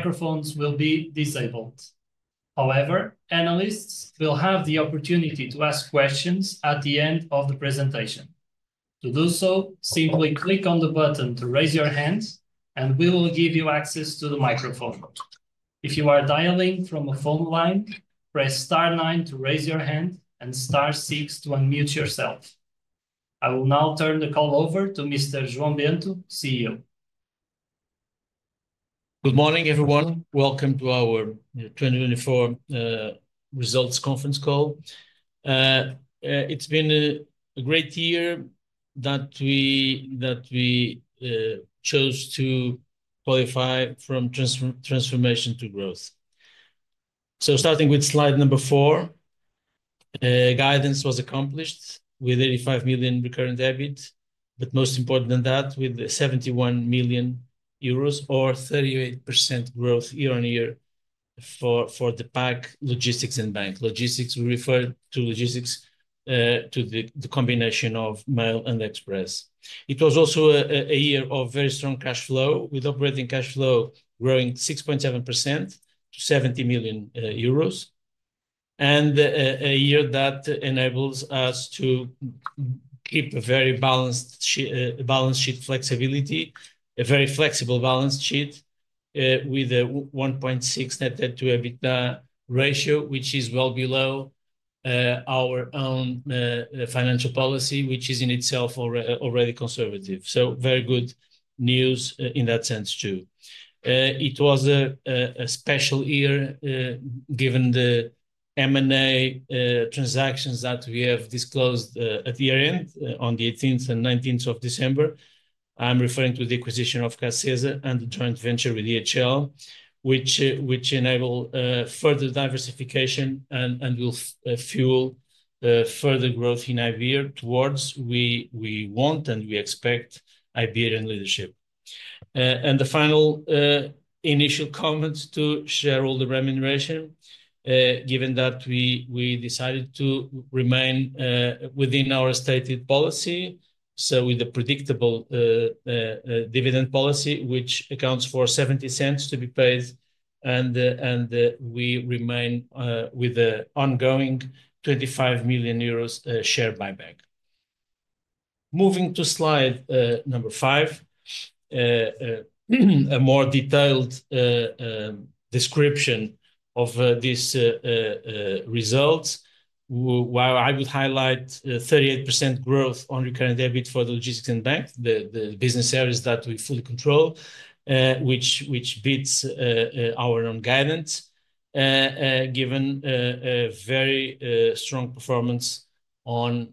Microphones will be disabled. However, analysts will have the opportunity to ask questions at the end of the presentation. To do so, simply click on the button to raise your hand, and we will give you access to the microphone. If you are dialing from a phone line, press star 9 to raise your hand and star 6 to unmute yourself. I will now turn the call over to Mr. João Bento, CEO. Good morning, everyone. Welcome to our 2024 results conference call. It's been a great year that we chose to qualify from transformation to growth. Starting with slide number four, guidance was accomplished with 85 million recurrent debit, but most important than that, with 71 million euros or 38% growth year on year for the PAC logistics and bank logistics. We refer to logistics as the combination of mail and express. It was also a year of very strong cash flow, with operating cash flow growing 6.7% to 70 million euros. A year that enables us to keep a very balanced sheet flexibility, a very flexible balance sheet with a 1.6 net debt to EBITDA ratio, which is well below our own financial policy, which is in itself already conservative. Very good news in that sense too. It was a special year given the M&A transactions that we have disclosed at year-end on the 18th and 19th of December. I'm referring to the acquisition of CASESA and the joint venture with DHL, which enabled further diversification and will fuel further growth in Iberia towards what we want and we expect Iberia and leadership. The final initial comment to share is on the remuneration, given that we decided to remain within our stated policy, with a predictable dividend policy, which accounts for 0.70 to be paid, and we remain with an ongoing 25 million euros share buyback. Moving to slide number five, a more detailed description of these results, where I would highlight 38% growth on recurring EBIT for the logistics and bank, the business areas that we fully control, which beats our own guidance, given very strong performance on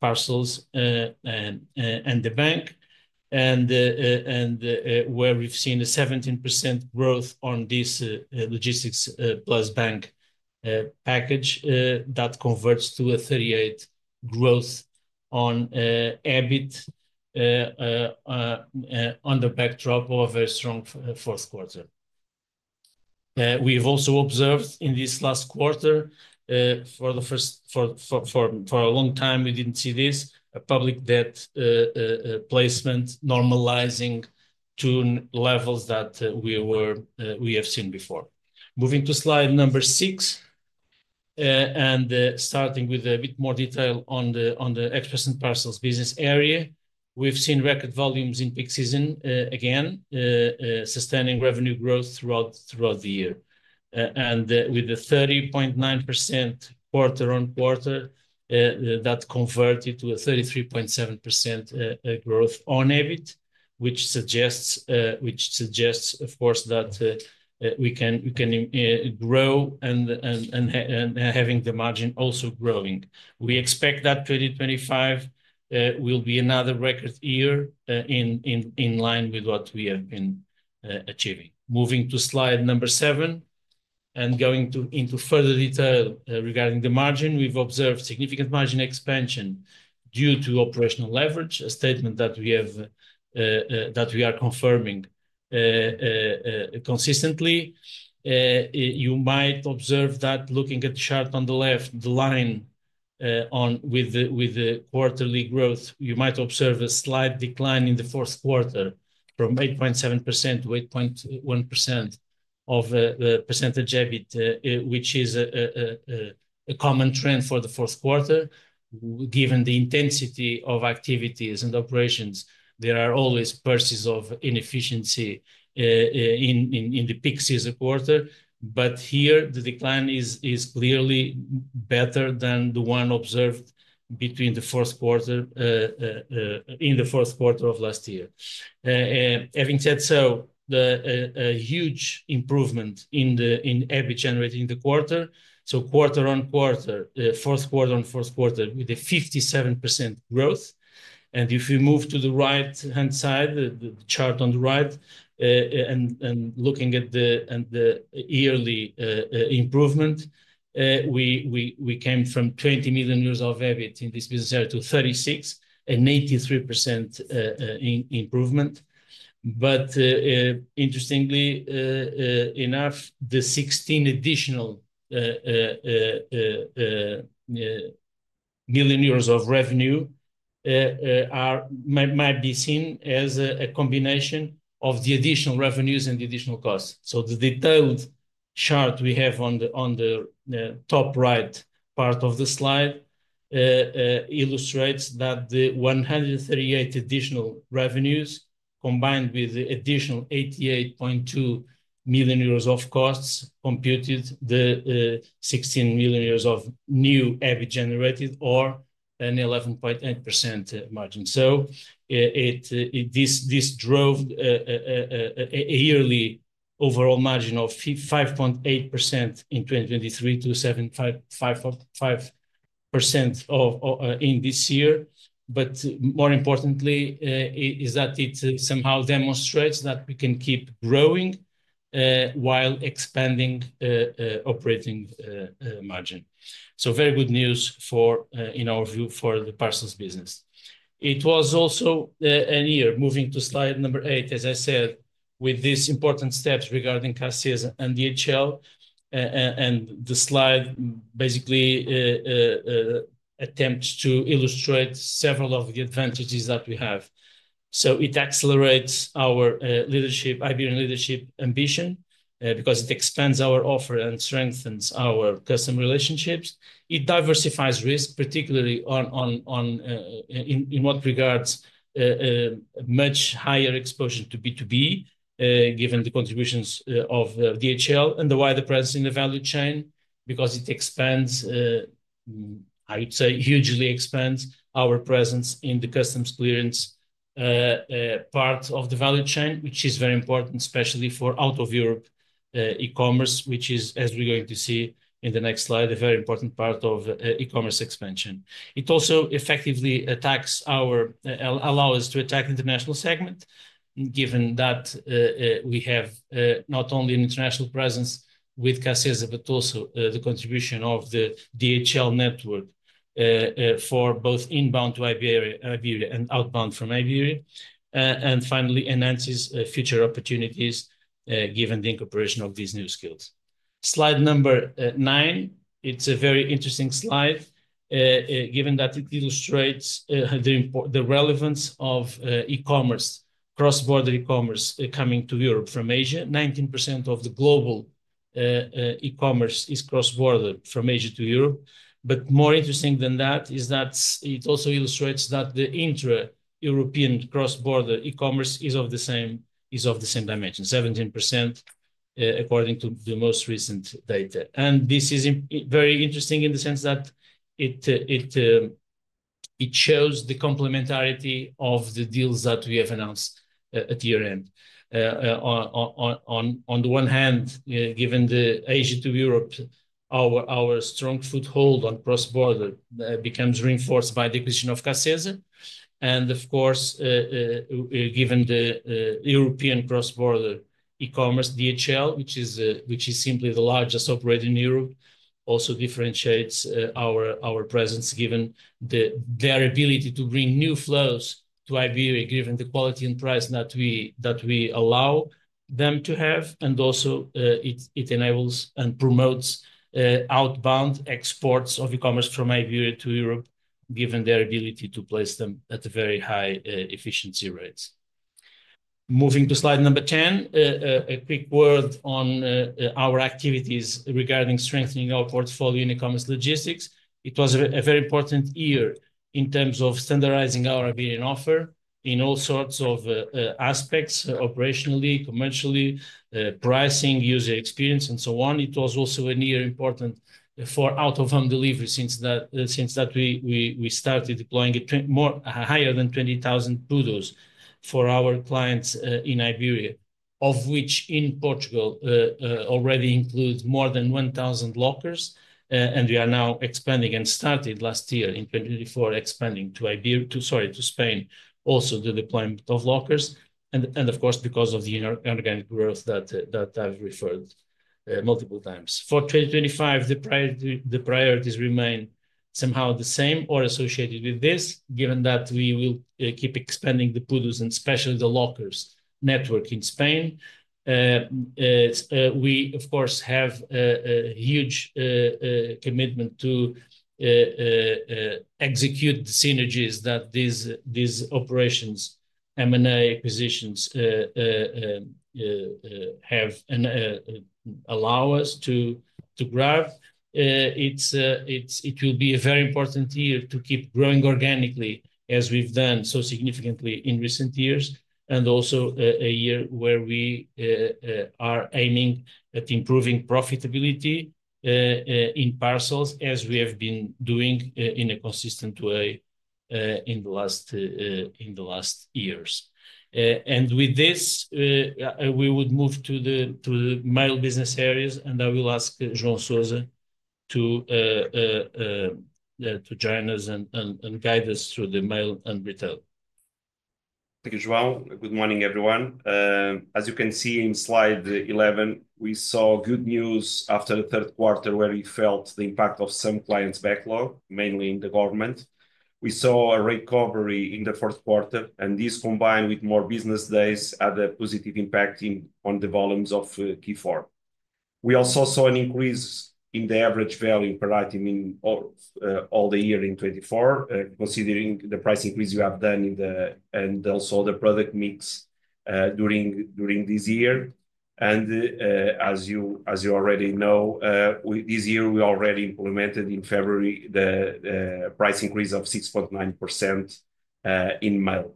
parcels and the bank, and where we've seen a 17% growth on this logistics plus bank package that converts to a 38% growth on EBIT under backdrop of a very strong fourth quarter. We have also observed in this last quarter, for a long time we didn't see this, a public debt placement normalizing to levels that we have seen before. Moving to slide number six, and starting with a bit more detail on the express and parcels business area, we've seen record volumes in peak season again, sustaining revenue growth throughout the year. With a 30.9% quarter-on-quarter that converted to a 33.7% growth on EBIT, which suggests, of course, that we can grow and having the margin also growing. We expect that 2025 will be another record year in line with what we have been achieving. Moving to slide number seven, and going into further detail regarding the margin, we've observed significant margin expansion due to operational leverage, a statement that we are confirming consistently. You might observe that looking at the chart on the left, the line with the quarterly growth, you might observe a slight decline in the fourth quarter from 8.7% to 8.1% of percentage EBIT, which is a common trend for the fourth quarter. Given the intensity of activities and operations, there are always pockets of inefficiency in the peak season quarter, but here the decline is clearly better than the one observed between the fourth quarter and the fourth quarter of last year. Having said so, a huge improvement in EBIT generated in the quarter, so quarter-on-quarter, fourth quarter-on-fourth quarter with a 57% growth. If we move to the right-hand side, the chart on the right, and looking at the yearly improvement, we came from 20 million euros of EBIT in this business area to 36 million, an 83% improvement. Interestingly enough, the 16 additional million euros of revenue might be seen as a combination of the additional revenues and the additional costs. The detailed chart we have on the top right part of the slide illustrates that the 138 additional revenues combined with the additional 88.2 million euros of costs computed the 16 million euros of new EBIT generated or an 11.8% margin. This drove a yearly overall margin of 5.8% in 2023 to 7.5% in this year. More importantly, it somehow demonstrates that we can keep growing while expanding operating margin. Very good news in our view for the parcels business. It was also a year, moving to slide number eight, as I said, with these important steps regarding CASESA and DHL, and the slide basically attempts to illustrate several of the advantages that we have. It accelerates our leadership, Iberian leadership ambition, because it expands our offer and strengthens our customer relationships. It diversifies risk, particularly in what regards much higher exposure to B2B, given the contributions of DHL and the wider presence in the value chain, because it expands, I would say, hugely expands our presence in the customs clearance part of the value chain, which is very important, especially for out-of-Europe e-commerce, which is, as we're going to see in the next slide, a very important part of e-commerce expansion. It also effectively allows us to attack the international segment, given that we have not only an international presence with CASESA, but also the contribution of the DHL network for both inbound to Iberia and outbound from Iberia. Finally, it enhances future opportunities given the incorporation of these new skills. Slide number nine, it's a very interesting slide, given that it illustrates the relevance of e-commerce, cross-border e-commerce coming to Europe from Asia. 19% of the global e-commerce is cross-border from Asia to Europe. More interesting than that is that it also illustrates that the intra-European cross-border e-commerce is of the same dimension, 17% according to the most recent data. This is very interesting in the sense that it shows the complementarity of the deals that we have announced at year-end. On the one hand, given the Asia to Europe, our strong foothold on cross-border becomes reinforced by the acquisition of CASESA. Of course, given the European cross-border e-commerce, DHL, which is simply the largest operator in Europe, also differentiates our presence given their ability to bring new flows to Iberia, given the quality and price that we allow them to have. It also enables and promotes outbound exports of e-commerce from Iberia to Europe, given their ability to place them at very high efficiency rates. Moving to slide number 10, a quick word on our activities regarding strengthening our portfolio in e-commerce logistics. It was a very important year in terms of standardizing our Iber offer, in all sorts of aspects, operationally, commercially, pricing, user experience, and so on. It was also a near important year for out-of-home delivery since that we started deploying higher than 20,000 Pudos for our clients in IBR, of which in Portugal already includes more than 1,000 lockers. We are now expanding and started last year in 2024, expanding to Spain, also the deployment of lockers. Of course, because of the organic growth that I've referred multiple times. For 2025, the priorities remain somehow the same or associated with this, given that we will keep expanding the Pudos and especially the lockers network in Spain. We, of course, have a huge commitment to execute the synergies that these operations, M&A acquisitions have and allow us to grab. It will be a very important year to keep growing organically, as we've done so significantly in recent years, and also a year where we are aiming at improving profitability in parcels, as we have been doing in a consistent way in the last years. With this, we would move to the mail business areas, and I will ask João Sousa to join us and guide us through the mail and retail. Thank you, João. Good morning, everyone. As you can see in slide 11, we saw good news after the third quarter, where we felt the impact of some clients' backlog, mainly in the government. We saw a recovery in the fourth quarter, and this combined with more business days had a positive impact on the volumes of Q4. We also saw an increase in the average value per item in all the year in 2024, considering the price increase you have done and also the product mix during this year. As you already know, this year we already implemented in February the price increase of 6.9% in mail.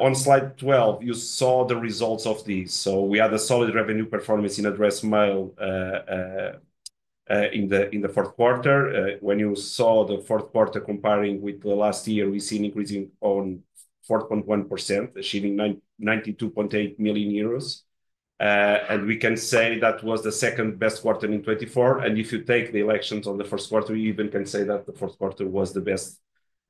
On slide 12, you saw the results of these. We had a solid revenue performance in address mail in the fourth quarter. When you saw the fourth quarter comparing with the last year, we see an increase in 4.1%, achieving 92.8 million euros. We can say that was the second best quarter in 2024. If you take the elections on the first quarter, you even can say that the fourth quarter was the best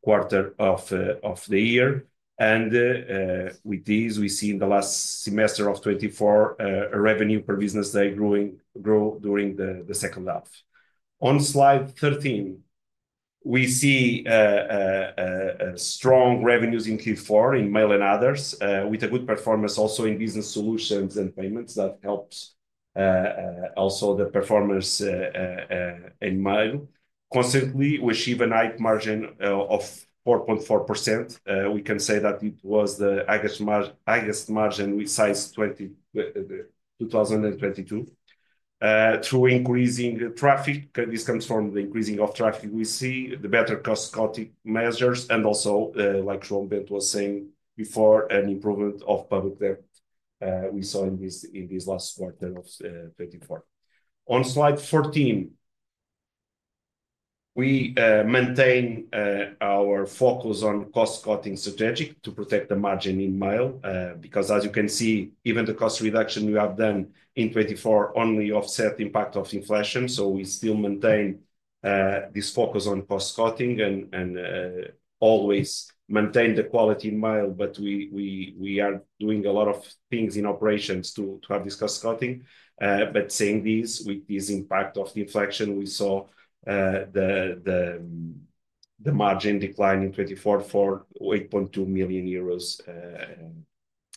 quarter of the year. With these, we see in the last semester of 2024, a revenue per business day grew during the second half. On slide 13, we see strong revenues in Q4 in mail and others, with a good performance also in business solutions and payments that helps also the performance in mail. Constantly, we achieve a net margin of 4.4%. We can say that it was the highest margin we saw in 2022 through increasing traffic. This comes from the increasing of traffic we see, the better cost-cutting measures, and also, like João Bento was saying before, an improvement of public debt we saw in this last quarter of 2024. On slide 14, we maintain our focus on cost-cutting strategic to protect the margin in mail, because as you can see, even the cost reduction we have done in 2024 only offset the impact of inflation. We still maintain this focus on cost-cutting and always maintain the quality in mail, but we are doing a lot of things in operations to have this cost-cutting. Seeing these, with this impact of the inflation, we saw the margin decline in 2024 for 8.2 million euros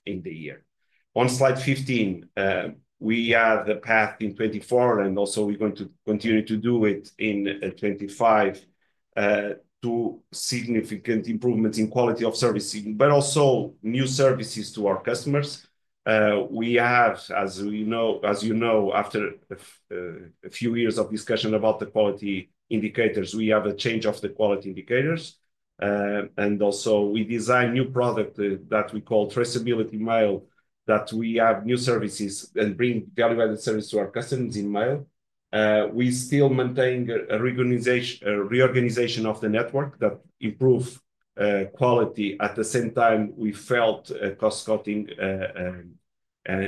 in the year. On slide 15, we had a path in 2024, and also we're going to continue to do it in 2025, to significant improvements in quality of servicing, but also new services to our customers. We have, as you know, after a few years of discussion about the quality indicators, we have a change of the quality indicators. We also designed a new product that we call Traceability Mail, that we have new services and bring value-added service to our customers in mail. We still maintain a reorganization of the network that improves quality. At the same time, we felt cost-cutting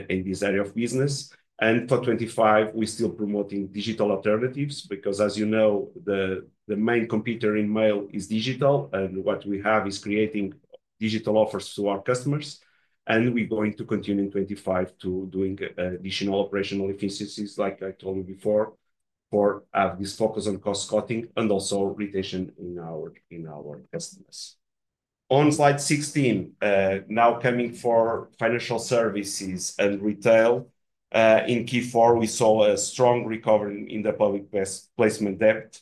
in this area of business. For 2025, we're still promoting digital alternatives, because as you know, the main competitor in mail is digital, and what we have is creating digital offers to our customers. We're going to continue in 2025 to do additional operational efficiencies, like I told you before, for this focus on cost-cutting and also retention in our customers. On slide 16, now coming for Financial Services & Retail, in Q4, we saw a strong recovery in the public placement debt,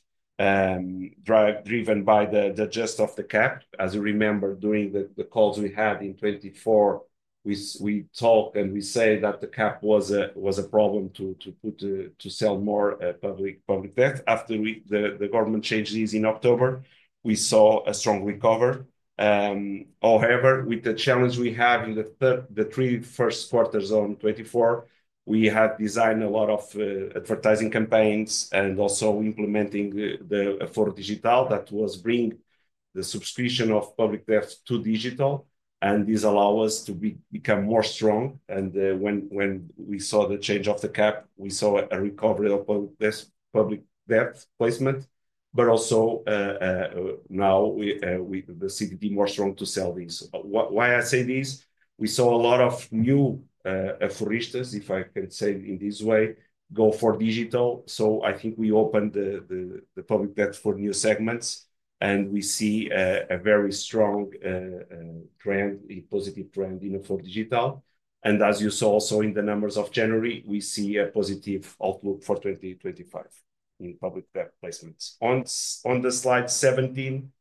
driven by the adjust of the cap. As you remember, during the calls we had in 2024, we talked and we said that the cap was a problem to sell more public debt. After the government changed this in October, we saw a strong recovery. However, with the challenge we have in the three first quarters of 2024, we had designed a lot of advertising campaigns and also implementing the Aforo Digital that was bringing the subscription of public debt to digital. This allowed us to become more strong. When we saw the change of the cap, we saw a recovery of public debt placement, but also now the CTT more strong to sell these. Why I say this? We saw a lot of new aforistas, if I can say it in this way, go for digital. I think we opened the public debt for new segments, and we see a very strong trend, a positive trend in Aforo Digital. As you saw also in the numbers of January, we see a positive outlook for 2025 in public debt placements. On slide 17,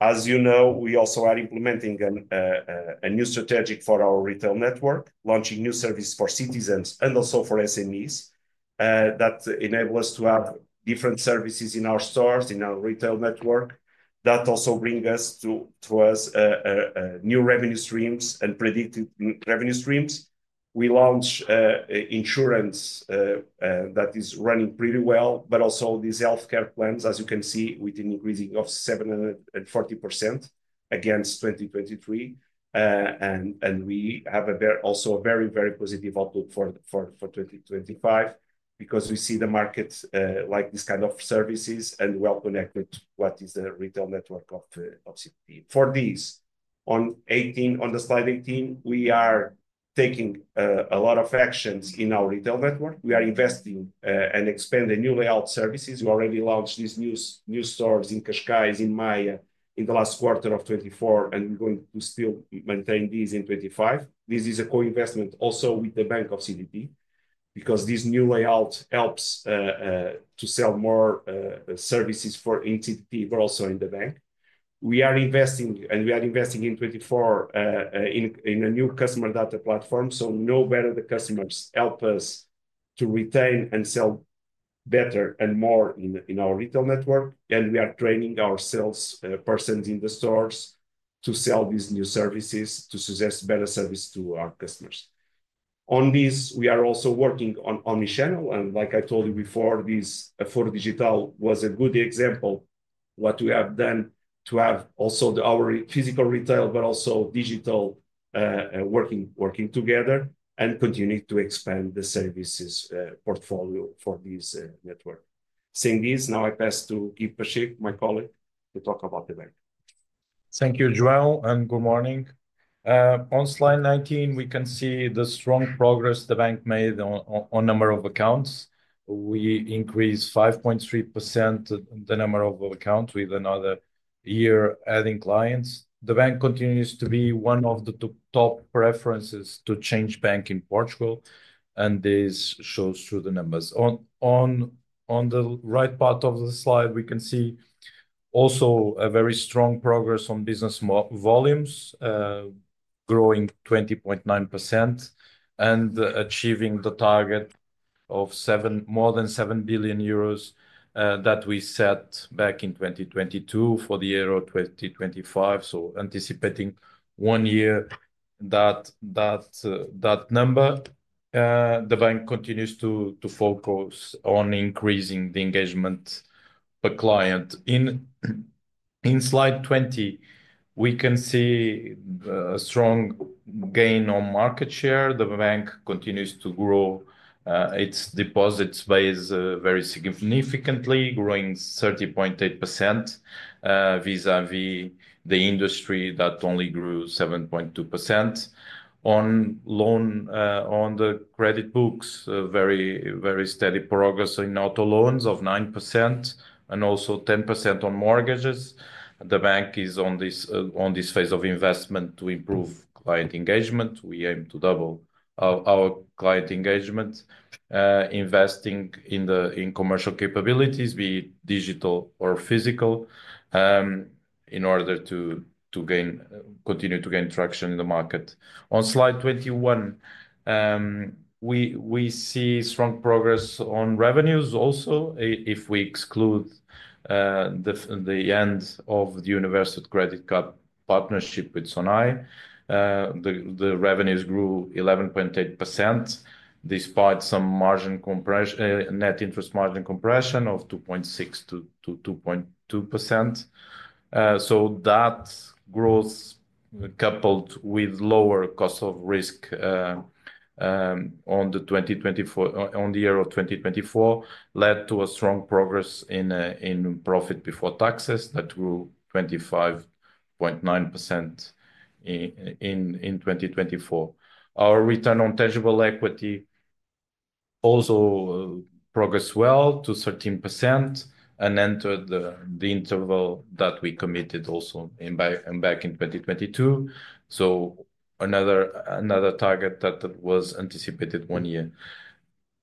as you know, we also are implementing a new strategic for our retail network, launching new services for citizens and also for SMEs that enable us to have different services in our stores, in our retail network, that also bring to us new revenue streams and predicted revenue streams. We launched insurance that is running pretty well, but also these healthcare plans, as you can see, with an increasing of 740% against 2023. We have also a very, very positive outlook for 2025, because we see the market like this kind of services and well connected to what is the retail network of CTT. For these, on the slide 18, we are taking a lot of actions in our retail network. We are investing and expanding new layout services. We already launched these new stores in Cascais, in Maia, in the last quarter of 2024, and we're going to still maintain these in 2025. This is a co-investment also with the bank of CTT, because this new layout helps to sell more services in CTT, but also in the bank. We are investing, and we are investing in 2024 in a new customer data platform. You know better, the customers help us to retain and sell better and more in our retail network. We are training our salespersons in the stores to sell these new services to suggest better service to our customers. On these, we are also working on the channel. Like I told you before, this Aforo Digital was a good example of what we have done to have also our physical retail, but also digital working together and continuing to expand the services portfolio for this network. Seeing this, now I pass to Guy Pacheco, my colleague, to talk about the bank. Thank you, João, and good morning. On slide 19, we can see the strong progress the bank made on number of accounts. We increased 5.3% the number of accounts with another year adding clients. The bank continues to be one of the top preferences to change bank in Portugal, and this shows through the numbers. On the right part of the slide, we can see also a very strong progress on business volumes, growing 20.9% and achieving the target of more than 7 billion euros that we set back in 2022 for the year of 2025. Anticipating one year that number, the bank continues to focus on increasing the engagement per client. In slide 20, we can see a strong gain on market share. The bank continues to grow its deposits base very significantly, growing 30.8% vis-à-vis the industry that only grew 7.2%. On loan, on the credit books, very steady progress in auto loans of 9% and also 10% on mortgages. The bank is on this phase of investment to improve client engagement. We aim to double our client engagement, investing in commercial capabilities, be it digital or physical, in order to continue to gain traction in the market. On slide 21, we see strong progress on revenues also. If we exclude the end of the universal credit card partnership with Sonae, the revenues grew 11.8% despite some net interest margin compression of 2.6% to 2.2%. That growth, coupled with lower cost of risk on the year of 2024, led to a strong progress in profit before taxes that grew 25.9% in 2024. Our return on tangible equity also progressed well to 13% and entered the interval that we committed also back in 2022. Another target that was anticipated one year.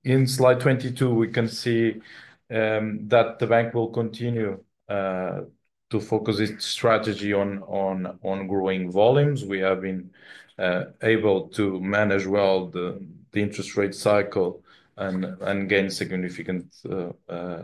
In slide 22, we can see that the bank will continue to focus its strategy on growing volumes. We have been able to manage well the interest rate cycle and gain significant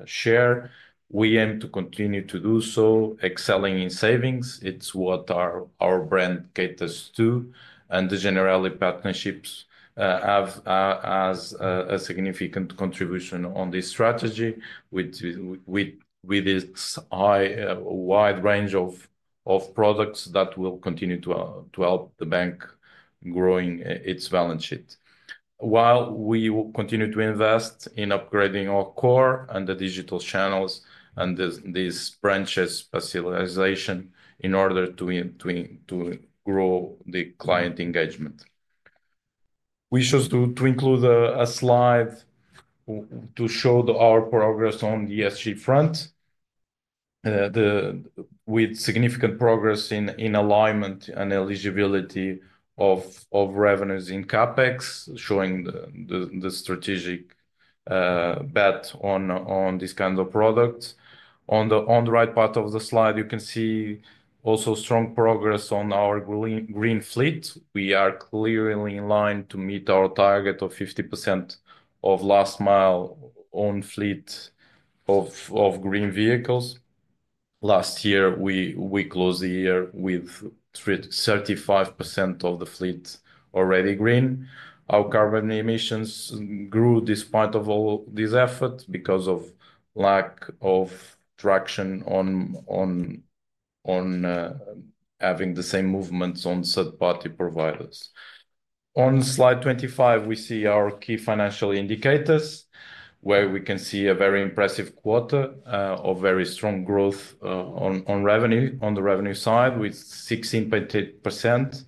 share. We aim to continue to do so, excelling in savings. It's what our brand caters to. The Generali Partnerships have a significant contribution on this strategy with its wide range of products that will continue to help the bank grow its balance sheet. While we continue to invest in upgrading our core and the digital channels and these branches' specialization in order to grow the client engagement. We chose to include a slide to show our progress on the ESG front, with significant progress in alignment and eligibility of revenues in CapEx, showing the strategic bet on this kind of product. On the right part of the slide, you can see also strong progress on our green fleet. We are clearly in line to meet our target of 50% of last-mile owned fleet of green vehicles. Last year, we closed the year with 35% of the fleet already green. Our carbon emissions grew despite all this effort because of lack of traction on having the same movements on third-party providers. On slide 25, we see our key financial indicators, where we can see a very impressive quarter of very strong growth on the revenue side with 16.8%.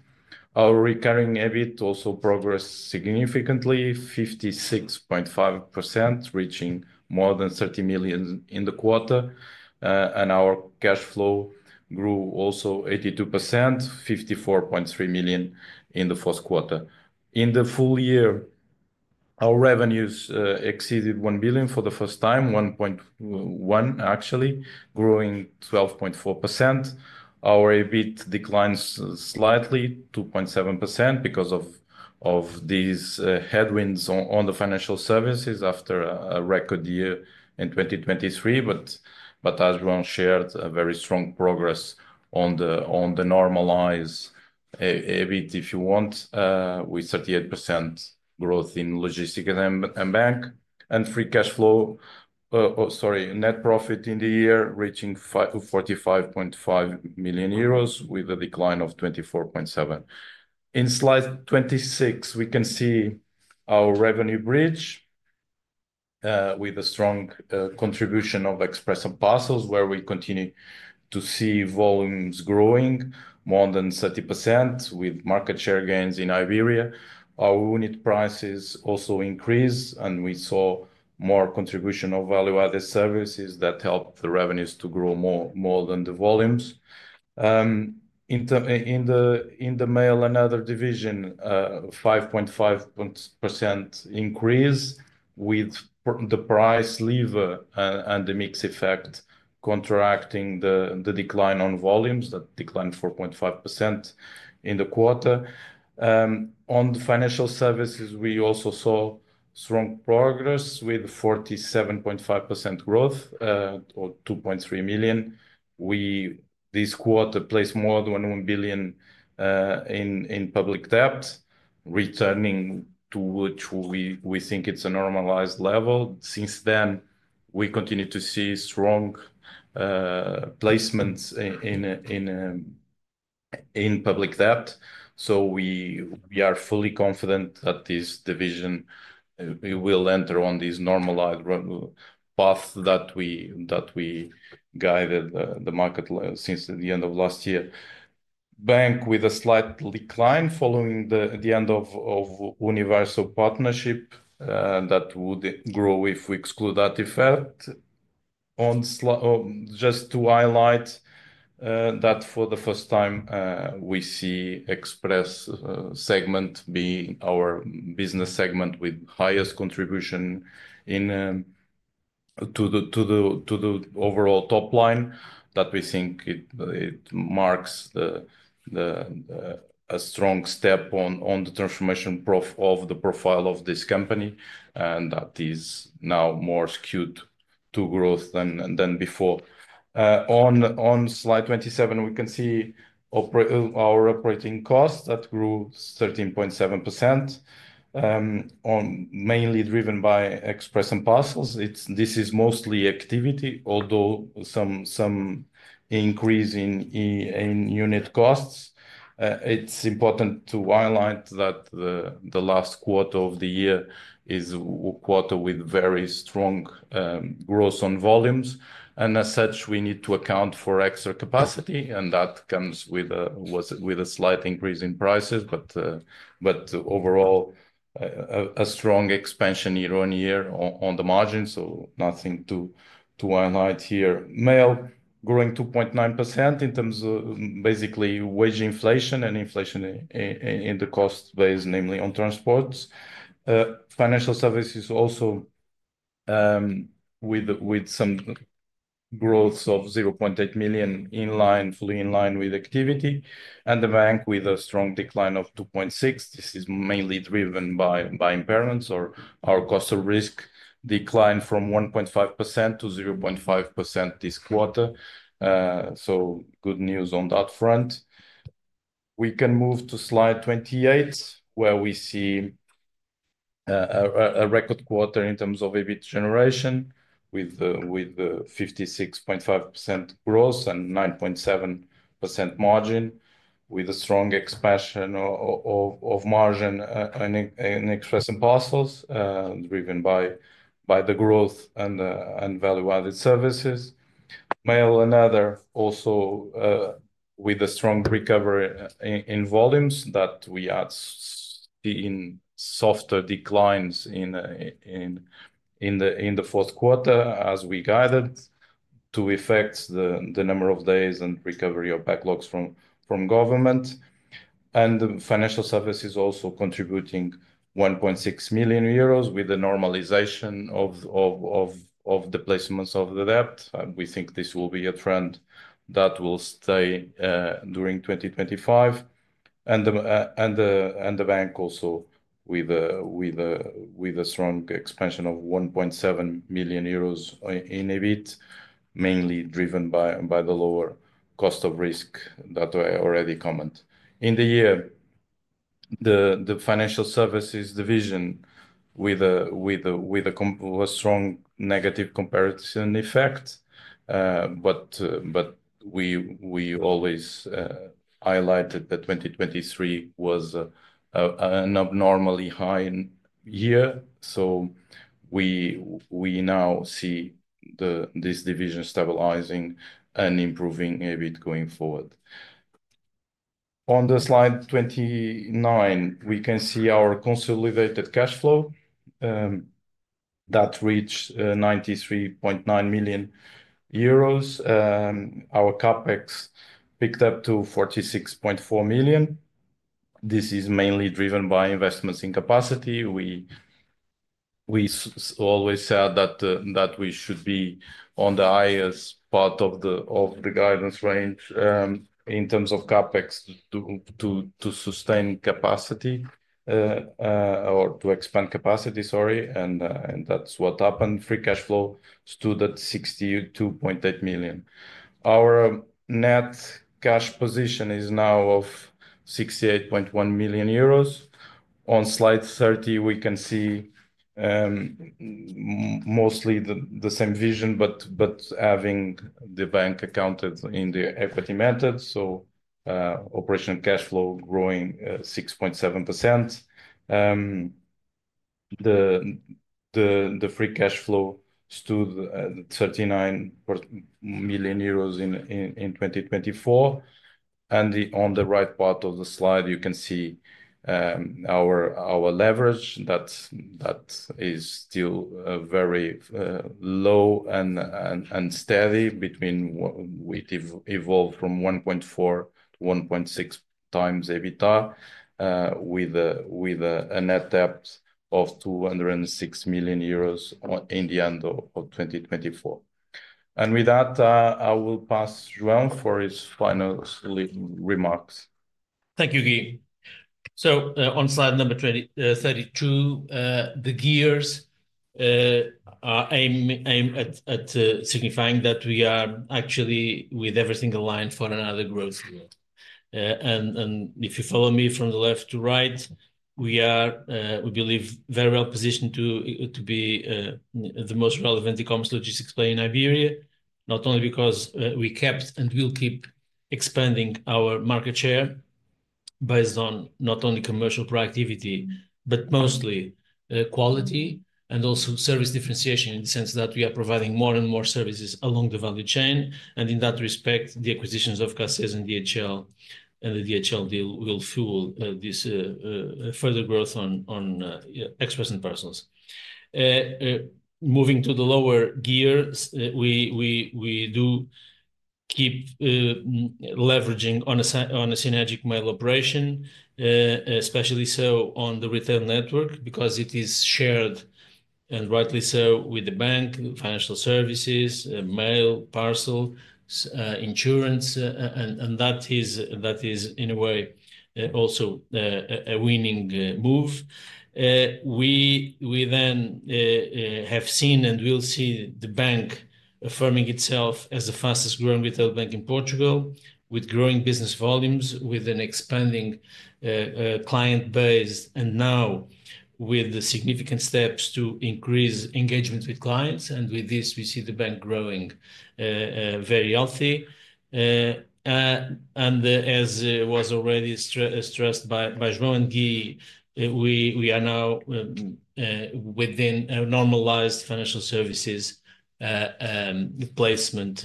Our recurring EBIT also progressed significantly, 56.5%, reaching more than 30 million in the quarter. Our cash flow grew also 82%, 54.3 million in the fourth quarter. In the full year, our revenues exceeded 1 billion for the first time, 1.1 billion actually, growing 12.4%. Our EBIT declined slightly, 2.7%, because of these headwinds on the financial services after a record year in 2023. As João shared, a very strong progress on the normalized EBIT, if you want, with 38% growth in logistics and bank. Free cash flow, sorry, net profit in the year reaching 45.5 million euros with a decline of 24.7%. In slide 26, we can see our revenue bridge with a strong contribution of Express & Parcels, where we continue to see volumes growing more than 30% with market share gains in Iberia. Our unit prices also increased, and we saw more contribution of value-added services that helped the revenues to grow more than the volumes. In the mail and other division, 5.5% increase with the price lever and the mix effect contracting the decline on volumes, that declined 4.5% in the quarter. On the financial services, we also saw strong progress with 47.5% growth or 2.3 million. This quarter placed more than 1 billion in public debt, returning to which we think it's a normalized level. Since then, we continue to see strong placements in public debt. We are fully confident that this division will enter on this normalized path that we guided the market since the end of last year. Bank with a slight decline following the end of universal partnership that would grow if we exclude that effect. Just to highlight that for the first time, we see Express segment being our business segment with highest contribution to the overall top line that we think it marks a strong step on the transformation of the profile of this company. That is now more skewed to growth than before. On slide 27, we can see our operating costs that grew 13.7%, mainly driven by Express & Parcels. This is mostly activity, although some increase in unit costs. It is important to highlight that the last quarter of the year is a quarter with very strong growth on volumes. As such, we need to account for extra capacity, and that comes with a slight increase in prices. Overall, a strong expansion year on year on the margin. Nothing to highlight here. Mail growing 2.9% in terms of basically wage inflation and inflation in the cost base, namely on transports. Financial services also with some growth of 0.8 million in line, fully in line with activity. The bank with a strong decline of 2.6. This is mainly driven by impairments or our cost of risk decline from 1.5% to 0.5% this quarter. Good news on that front. We can move to slide 28, where we see a record quarter in terms of EBIT generation with 56.5% growth and 9.7% margin with a strong expansion of margin in Express & Parcels, driven by the growth and value-added services. Mail & Other also with a strong recovery in volumes that we see in softer declines in the fourth quarter as we guided to affect the number of days and recovery of backlogs from government. The financial services also contributing 1.6 million euros with the normalization of the placements of the debt. We think this will be a trend that will stay during 2025. The bank also with a strong expansion of 1.7 million euros in EBIT, mainly driven by the lower cost of risk that I already commented. In the year, the financial services division with a strong negative comparison effect. We always highlighted that 2023 was an abnormally high year. We now see this division stabilizing and improving EBIT going forward. On slide 29, we can see our consolidated cash flow that reached 93.9 million euros. Our CapEx picked up to 46.4 million. This is mainly driven by investments in capacity. We always said that we should be on the highest part of the guidance range in terms of CapEx to sustain capacity or to expand capacity, sorry. That is what happened. Free cash flow stood at 62.8 million. Our net cash position is now 68.1 million euros. On slide 30, we can see mostly the same vision, but having the bank accounted in the equity method. Operation cash flow growing 6.7%. The free cash flow stood at 39 million euros in 2024. On the right part of the slide, you can see our leverage that is still very low and steady. We evolved from 1.4 to 1.6 times EBITDA with a net debt of 206 million euros at the end of 2024. With that, I will pass João for his final remarks. Thank you, Guy. On slide number 32, the gears are aimed at signifying that we are actually with every single line for another growth year. If you follow me from left to right, we believe we are very well positioned to be the most relevant e-commerce logistics player in Iberia, not only because we kept and will keep expanding our market share based on not only commercial productivity, but mostly quality and also service differentiation in the sense that we are providing more and more services along the value chain. In that respect, the acquisitions of CASESA and the DHL deal will fuel this further growth on Express & Parcels. Moving to the lower gear, we do keep leveraging on a synergic mail operation, especially so on the retail network because it is shared and rightly so with the bank, financial services, mail, parcel, insurance. That is, in a way, also a winning move. We then have seen and will see the bank affirming itself as the fastest growing retail bank in Portugal with growing business volumes, with an expanding client base, and now with the significant steps to increase engagement with clients. With this, we see the bank growing very healthy. As was already stressed by João and Guy, we are now within a normalized financial services placement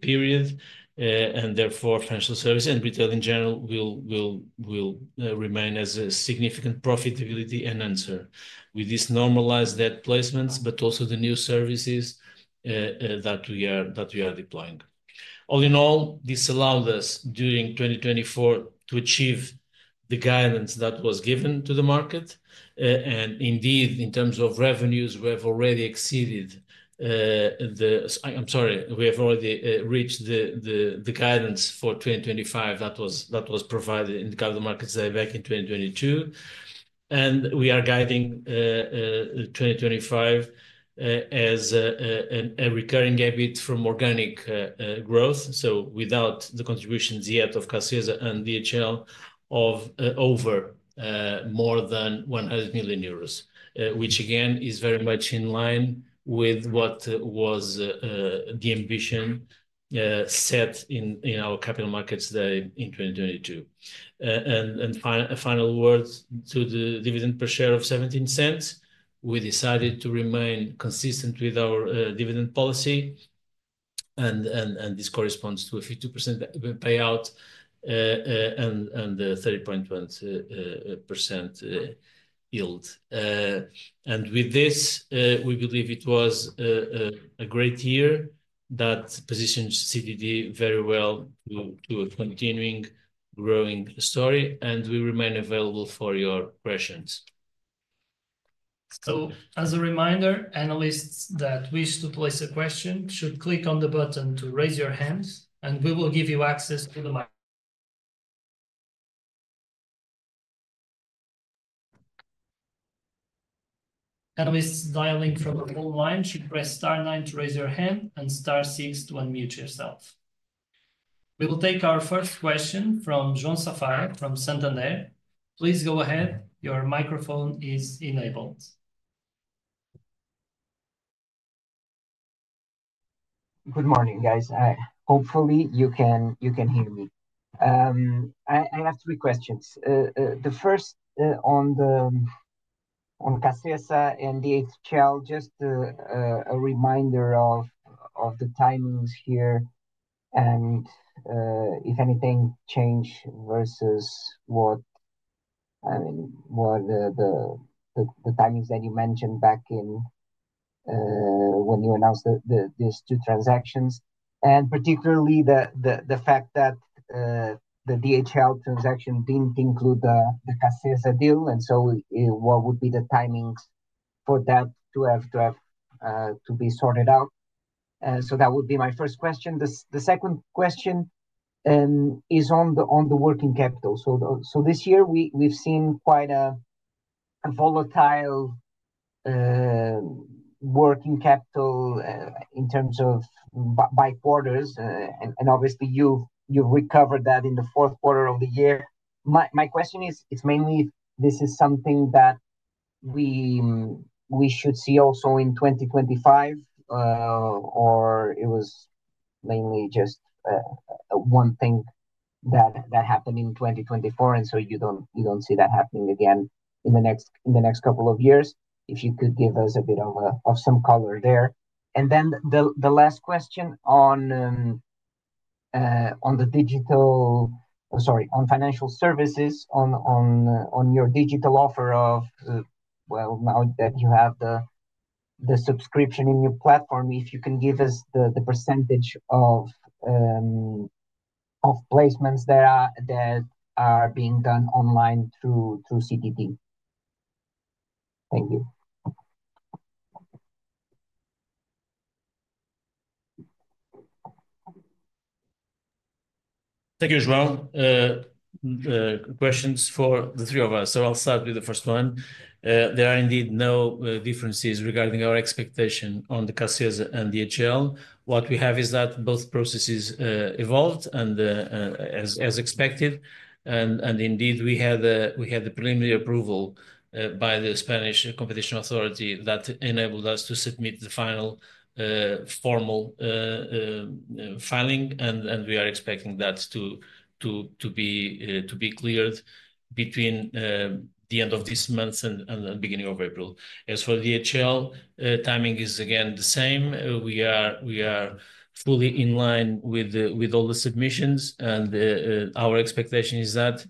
period. Therefore, financial services and retail in general will remain as a significant profitability and answer with these normalized debt placements, but also the new services that we are deploying. All in all, this allowed us during 2024 to achieve the guidance that was given to the market. Indeed, in terms of revenues, we have already exceeded the, I'm sorry, we have already reached the guidance for 2025 that was provided in the capital markets back in 2022. We are guiding 2025 as a recurring EBIT from organic growth, so without the contributions yet of CASESA and DHL of over more than 100 million euros, which again is very much in line with what was the ambition set in our capital markets day in 2022. Final words to the dividend per share of 0.17. We decided to remain consistent with our dividend policy. This corresponds to a 52% payout and 30.1% yield. With this, we believe it was a great year that positioned CTT very well to a continuing growing story. We remain available for your questions. As a reminder, analysts that wish to place a question should click on the button to raise your hands, and we will give you access to the mic. Analysts dialing from the phone line should press star nine to raise your hand and star six to unmute yourself. We will take our first question from João Safado form Santander. Please go ahead. Your microphone is enabled. Good morning, guys. Hopefully, you can hear me. I have three questions. The first on CASESA and DHL, just a reminder of the timings here and if anything changed versus what the timings that you mentioned back in when you announced these two transactions. Particularly the fact that the DHL transaction did not include the CASESA deal. What would be the timings for that to be sorted out? That would be my first question. The second question is on the working capital. This year, we have seen quite a volatile working capital in terms of by quarters. Obviously, you have recovered that in the fourth quarter of the year. My question is, is this mainly something that we should see also in 2025, or was it mainly just one thing that happened in 2024, and you do not see that happening again in the next couple of years? If you could give us a bit of some color there. Then the last question on the digital, sorry, on financial services, on your digital offer of, well, now that you have the subscription in your platform, if you can give us the percentage of placements that are being done online through CDD. Thank you. Thank you, João. Questions for the three of us. I'll start with the first one. There are indeed no differences regarding our expectation on the CASESA and DHL. What we have is that both processes evolved as expected. Indeed, we had the preliminary approval by the Spanish competition authority that enabled us to submit the final formal filing. We are expecting that to be cleared between the end of this month and the beginning of April. As for DHL, timing is again the same. We are fully in line with all the submissions. Our expectation is that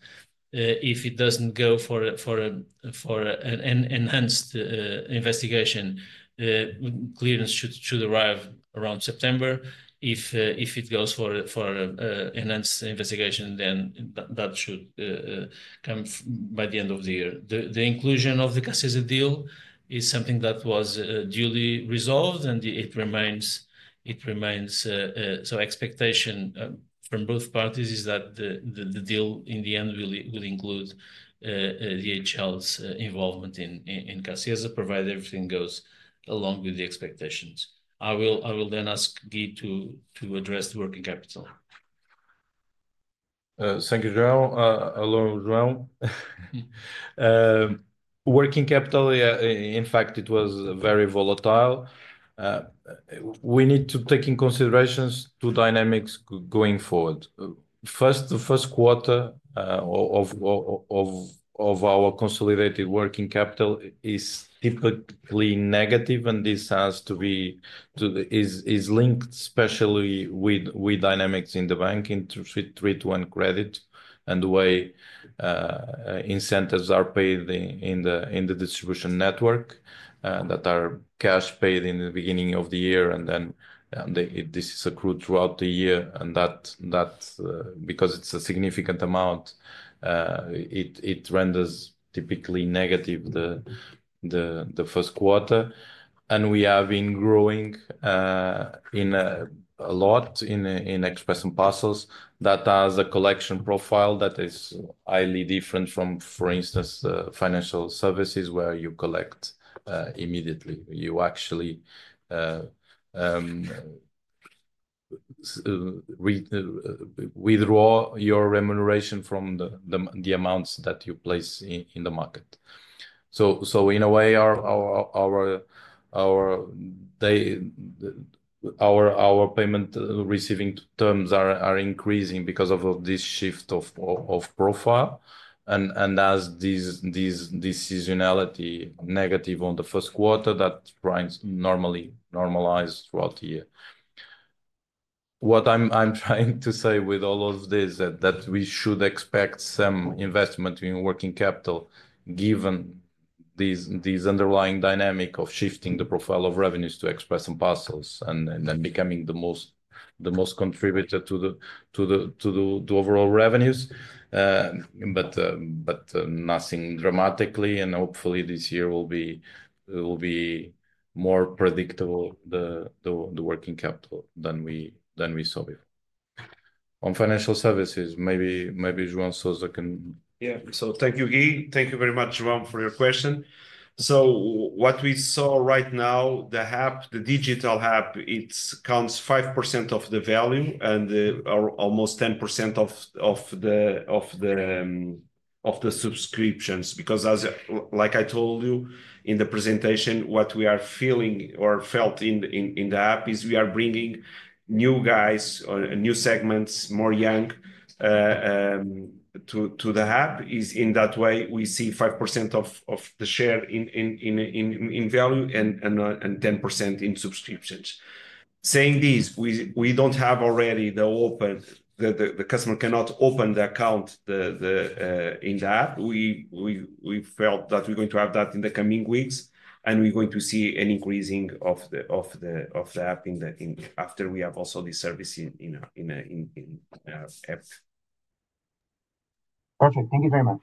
if it does not go for an enhanced investigation, clearance should arrive around September. If it goes for an enhanced investigation, that should come by the end of the year. The inclusion of the CASESA deal is something that was duly resolved, and it remains so. Expectation from both parties is that the deal in the end will include DHL's involvement in CASESA provided everything goes along with the expectations. I will then ask Guy to address the working capital. Thank you, João. Hello, João. Working capital, in fact, it was very volatile. We need to take in consideration two dynamics going forward. First, the first quarter of our consolidated working capital is typically negative, and this has to be linked especially with dynamics in the bank in 3 to 1 credit and the way incentives are paid in the distribution network that are cash paid in the beginning of the year. This is accrued throughout the year. Because it is a significant amount, it renders typically negative the first quarter. We have been growing a lot in Express & Parcels that has a collection profile that is highly different from, for instance, financial services where you collect immediately. You actually withdraw your remuneration from the amounts that you place in the market. In a way, our payment receiving terms are increasing because of this shift of profile. There is this seasonality negative on the first quarter that normalizes throughout the year. What I'm trying to say with all of this is that we should expect some investment in working capital given this underlying dynamic of shifting the profile of revenues to Express & Parcels and them becoming the most contributor to the overall revenues. Nothing dramatically. Hopefully, this year will be more predictable in the working capital than we saw before. On financial services, maybe João Sousa can. Yeah. Thank you, Guy. Thank you very much, João, for your question. What we saw right now, the digital hub, it counts 5% of the value and almost 10% of the subscriptions. Like I told you in the presentation, what we are feeling or felt in the app is we are bringing new guys, new segments, more young to the app. In that way, we see 5% of the share in value and 10% in subscriptions. Saying this, we do not have already the customer cannot open the account in the app. We felt that we are going to have that in the coming weeks, and we are going to see an increasing of the app after we have also the service in app. Perfect. Thank you very much.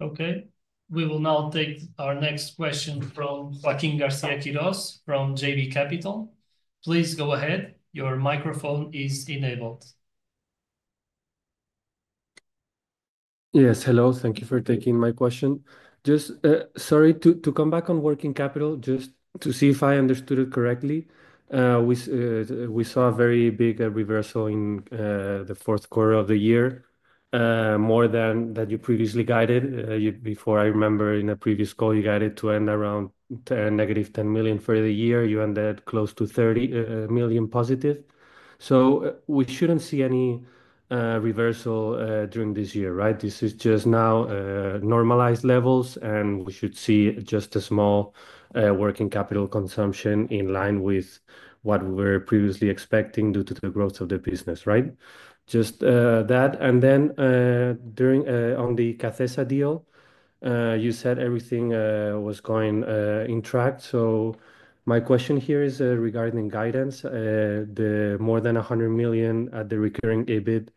Okay. We will now take our next question from Joaquim Garcia Quirós from JB Capital. Please go ahead. Your microphone is enabled. Yes. Hello. Thank you for taking my question. Just sorry to come back on working capital, just to see if I understood it correctly. We saw a very big reversal in the fourth quarter of the year, more than what you previously guided. Before, I remember in a previous call, you guided to end around negative 10 million for the year. You ended close to 30 million positive. We should not see any reversal during this year, right? This is just now normalized levels, and we should see just a small working capital consumption in line with what we were previously expecting due to the growth of the business, right? Just that. On the CASESA deal, you said everything was going in track. My question here is regarding guidance, the more than 100 million at the recurring EBIT.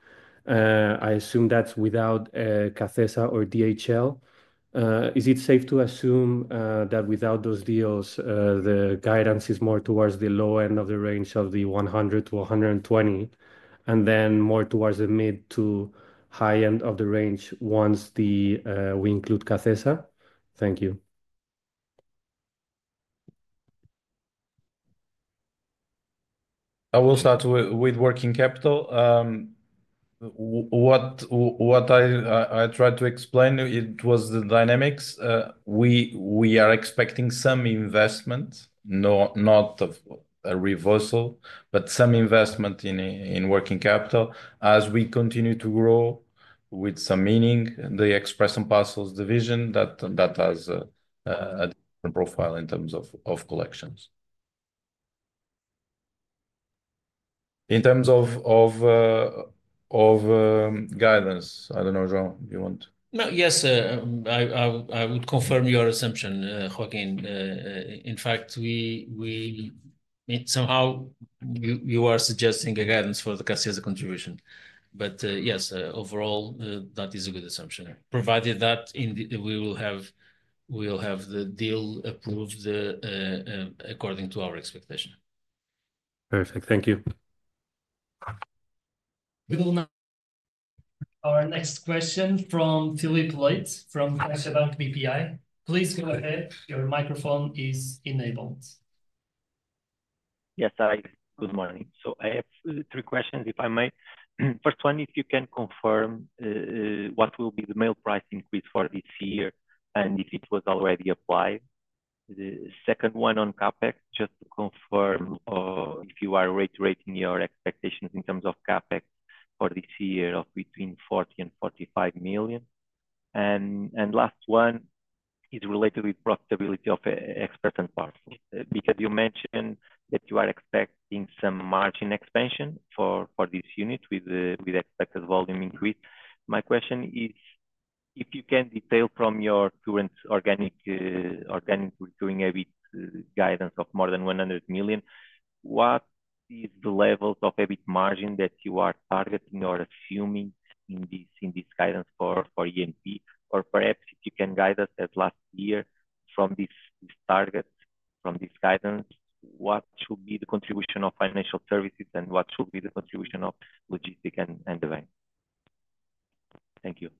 I assume that's without CASESA or DHL. Is it safe to assume that without those deals, the guidance is more towards the low end of the range of the 100 million-120 million, and then more towards the mid to high end of the range once we include CASESA? Thank you. I will start with working capital. What I tried to explain, it was the dynamics. We are expecting some investment, not a reversal, but some investment in working capital as we continue to grow with some meaning, the Express & Parcels division that has a different profile in terms of collections. In terms of guidance, I do not know, João, do you want? Yes, I would confirm your assumption, Joaquim. In fact, somehow you are suggesting a guidance for the CASESA contribution. But yes, overall, that is a good assumption. Provided that we will have the deal approved according to our expectation. Perfect. Thank you. We will now have our next question from Filipe Leite from CaixaBank BPI. Please go ahead. Your microphone is enabled. Yes, hi. Good morning. I have three questions, if I may. First one, if you can confirm what will be the mail price increase for this year and if it was already applied. The second one on CapEx, just to confirm if you are reiterating your expectations in terms of CapEx for this year of between 40 million and 45 million. The last one is related with profitability of Express & Parcels because you mentioned that you are expecting some margin expansion for this unit with expected volume increase. My question is, if you can detail from your current organic recurring EBIT guidance of more than 100 million, what is the level of EBIT margin that you are targeting or assuming in this guidance for E&P? Or perhaps if you can guide us as last year from this target, from this guidance, what should be the contribution of financial services and what should be the contribution of logistics and the bank? Thank you.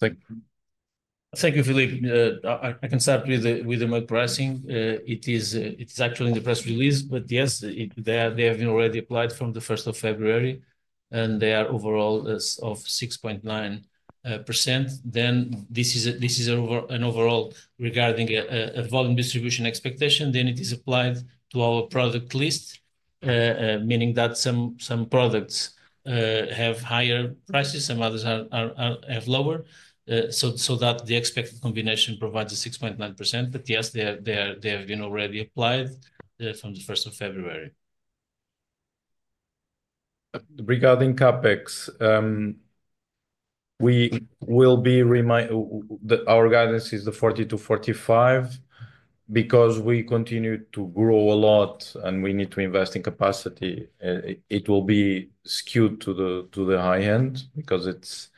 Thank you. Thank you, Filipe. I can start with the mail pricing. It is actually in the press release, but yes, they have been already applied from the 1st of February, and they are overall of 6.9%. This is an overall regarding a volume distribution expectation. It is applied to our product list, meaning that some products have higher prices, some others have lower, so that the expected combination provides a 6.9%. Yes, they have been already applied from the 1st of February. Regarding CapEx, our guidance is the 40 million-45 million because we continue to grow a lot and we need to invest in capacity. It will be skewed to the high end because it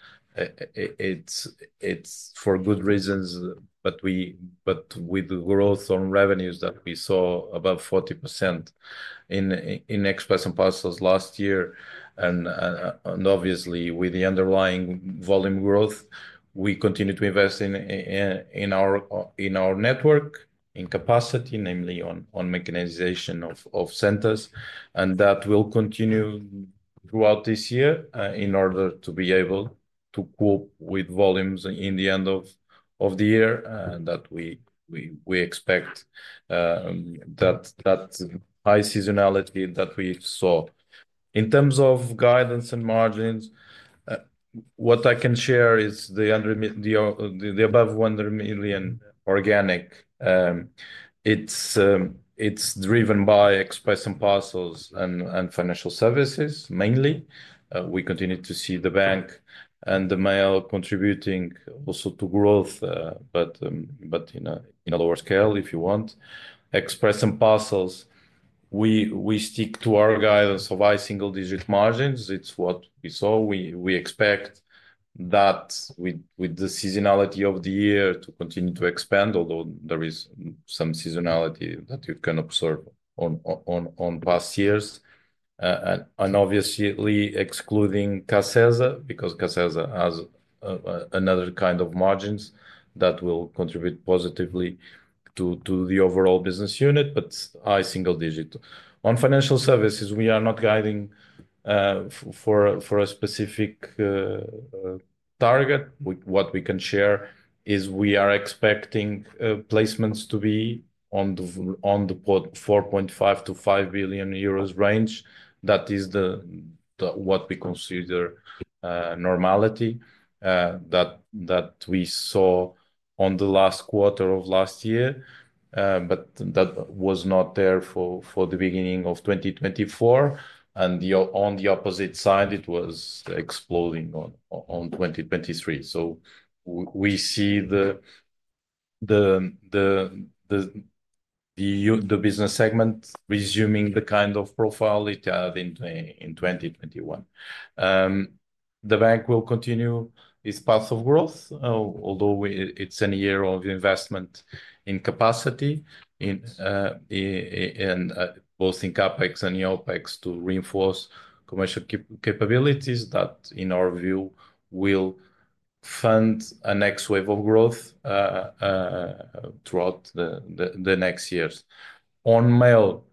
is for good reasons, with the growth on revenues that we saw above 40% in Express & Parcels last year. Obviously, with the underlying volume growth, we continue to invest in our network, in capacity, namely on mechanization of centers. That will continue throughout this year in order to be able to cope with volumes in the end of the year that we expect, that high seasonality that we saw. In terms of guidance and margins, what I can share is the above EUR 100 million organic. It is driven by Express & Parcels and financial services, mainly. We continue to see the bank and the mail contributing also to growth, but in a lower scale, if you want. Express & Parcels, we stick to our guidance of high single-digit margins. It is what we saw. We expect that with the seasonality of the year to continue to expand, although there is some seasonality that you can observe on past years. Obviously, excluding CASESA because CASESA has another kind of margins that will contribute positively to the overall business unit, but high single-digit. On financial services, we are not guiding for a specific target. What we can share is we are expecting placements to be in the 4.5 billion-5 billion euros range. That is what we consider normality that we saw in the last quarter of last year, but that was not there for the beginning of 2024. On the opposite side, it was exploding in 2023. We see the business segment resuming the kind of profile it had in 2021. The bank will continue its path of growth, although it is a year of investment in capacity, both in CapEx and in OpEx, to reinforce commercial capabilities that, in our view, will fund a next wave of growth throughout the next years. On mail,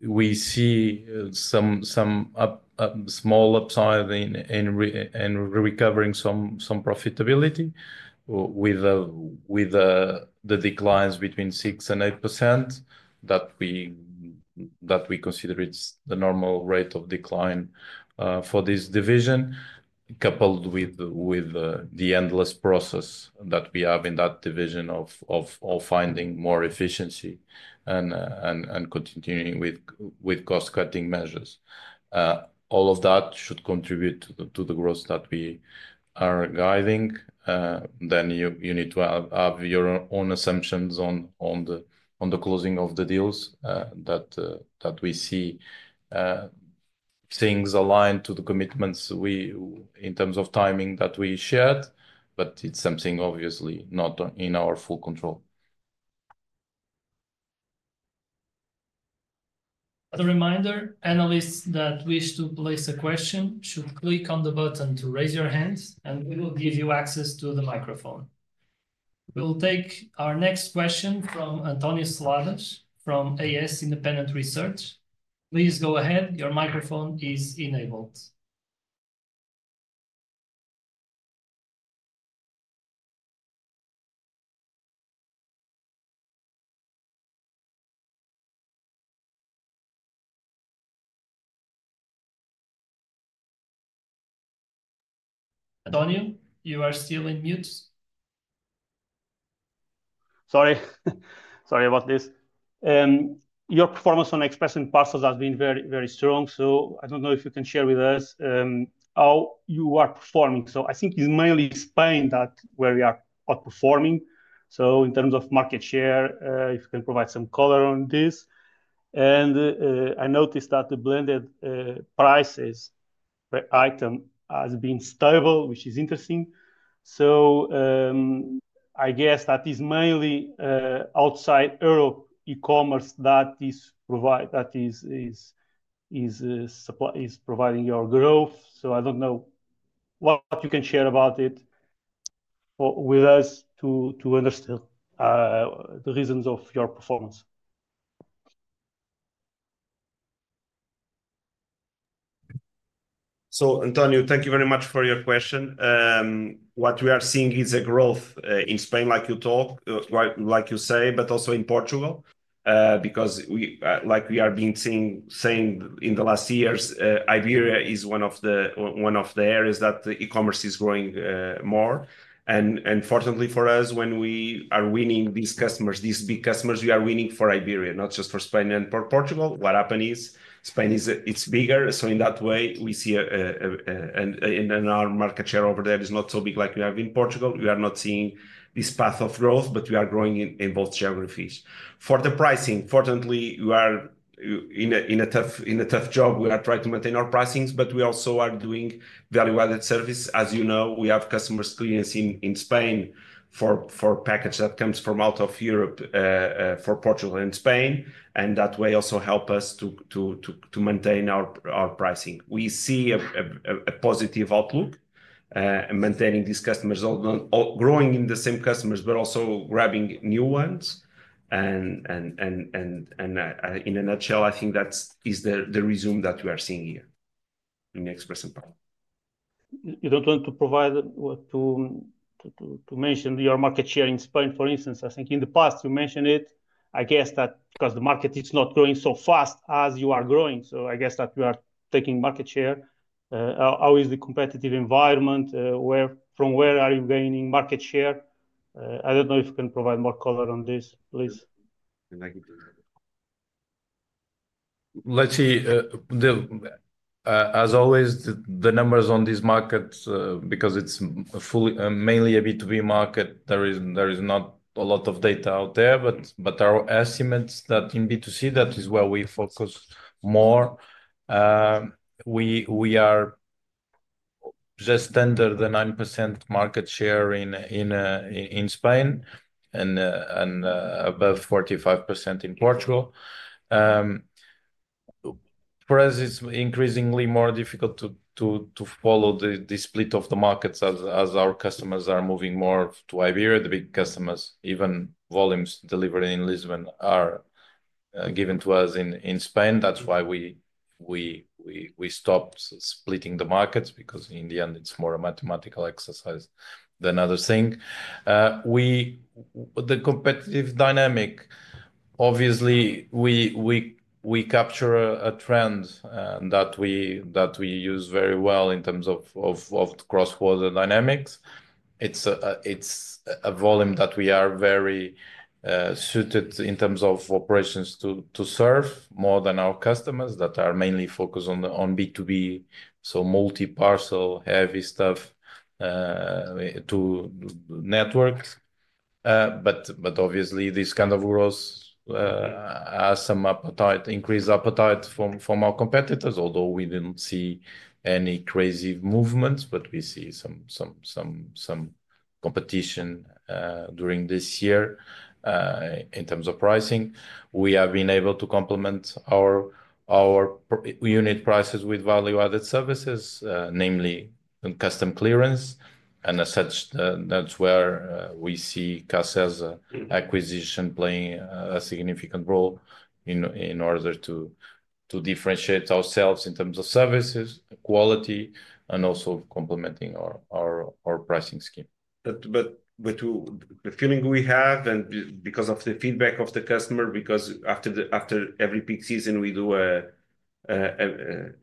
we see some small upside in recovering some profitability with the declines between 6% and 8% that we consider it's the normal rate of decline for this division, coupled with the endless process that we have in that division of finding more efficiency and continuing with cost-cutting measures. All of that should contribute to the growth that we are guiding. You need to have your own assumptions on the closing of the deals that we see things aligned to the commitments in terms of timing that we shared, but it's something obviously not in our full control. As a reminder, analysts that wish to place a question should click on the button to raise your hand, and we will give you access to the microphone. We will take our next question from António Soares from AS Independent Research. Please go ahead. Your microphone is enabled. Antonio, you are still in mute. Sorry. Sorry about this. Your performance on Express & Parcels has been very, very strong. I do not know if you can share with us how you are performing. I think it is mainly Spain where we are outperforming. In terms of market share, if you can provide some color on this. I noticed that the blended prices item has been stable, which is interesting. I guess that is mainly outside Europe e-commerce that is providing your growth. I do not know what you can share about it with us to understand the reasons of your performance. Antonio, thank you very much for your question. What we are seeing is a growth in Spain, like you say, but also in Portugal. Because like we have been saying in the last years, Iberia is one of the areas that e-commerce is growing more. Fortunately for us, when we are winning these customers, these big customers, we are winning for Iberia, not just for Spain and for Portugal. What happened is Spain, it's bigger. In that way, we see in our market share over there is not so big like we have in Portugal. We are not seeing this path of growth, but we are growing in both geographies. For the pricing, fortunately, we are in a tough job. We are trying to maintain our pricings, but we also are doing value-added service. As you know, we have customer experience in Spain for package that comes from out of Europe for Portugal and Spain. That way also helps us to maintain our pricing. We see a positive outlook in maintaining these customers, growing in the same customers, but also grabbing new ones. In a nutshell, I think that is the resume that we are seeing here in Express & Parcels. You do not want to provide to mention your market share in Spain, for instance. I think in the past, you mentioned it. I guess that because the market is not growing so fast as you are growing. I guess that you are taking market share. How is the competitive environment? From where are you gaining market share? I do not know if you can provide more color on this, please. Let's see. As always, the numbers on this market, because it is mainly a B2B market, there is not a lot of data out there. Our estimates are that in B2C, that is where we focus more. We are just under the 9% market share in Spain and above 45% in Portugal. For us, it's increasingly more difficult to follow the split of the markets as our customers are moving more to Iberia. The big customers, even volumes delivered in Lisbon, are given to us in Spain. That's why we stopped splitting the markets because in the end, it's more a mathematical exercise than other things. The competitive dynamic, obviously, we capture a trend that we use very well in terms of cross-border dynamics. It's a volume that we are very suited in terms of operations to serve more than our customers that are mainly focused on B2B, so multi-parcel, heavy stuff to networks. Obviously, this kind of growth has some increased appetite from our competitors, although we didn't see any crazy movements, but we see some competition during this year in terms of pricing. We have been able to complement our unit prices with value-added services, namely customs clearance. As such, that is where we see CASESA's acquisition playing a significant role in order to differentiate ourselves in terms of services, quality, and also complementing our pricing scheme. The feeling we have, and because of the feedback of the customer, because after every peak season, we do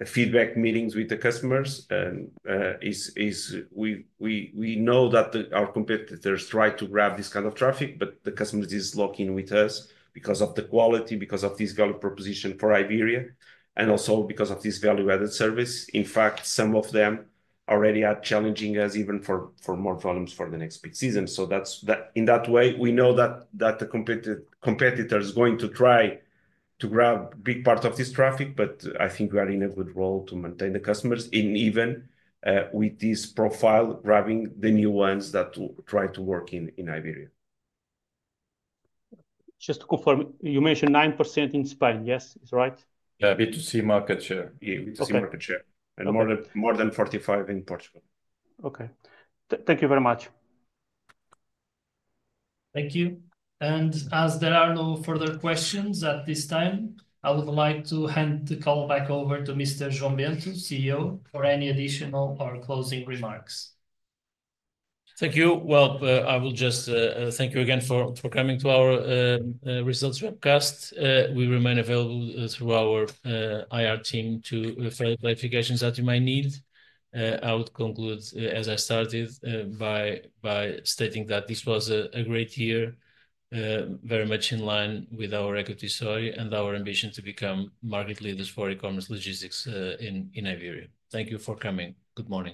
feedback meetings with the customers, we know that our competitors try to grab this kind of traffic, but the customers are locking with us because of the quality, because of this value proposition for Iberia, and also because of this value-added service. In fact, some of them already are challenging us even for more volumes for the next peak season. In that way, we know that the competitor is going to try to grab a big part of this traffic, but I think we are in a good role to maintain the customers even with this profile, grabbing the new ones that try to work in Iberia. Just to confirm, you mentioned 9% in Spain, yes? Is that right? Yeah, B2C market share. B2C market share. And more than 45% in Portugal. Okay. Thank you very much. Thankyou. As there are no further questions at this time, I would like to hand the call back over to Mr. João Bento, CEO, for any additional or closing remarks. Thank you. I will just thank you again for coming to our results webcast. We remain available through our IR team to further clarifications that you might need. I would conclude as I started by stating that this was a great year, very much in line with our equity story and our ambition to become market leaders for e-commerce logistics in Iberia. Thank you for coming. Good morning.